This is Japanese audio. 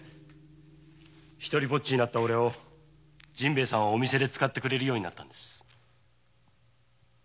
独りぼっちになったおれを陣兵衛さんはお店で使ってくれるようになったんです。